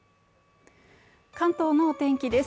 関東のお天気です